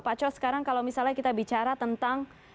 pak cos sekarang kalau misalnya kita bicara tentang